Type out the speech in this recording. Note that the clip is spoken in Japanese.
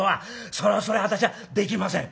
それは私はできません」。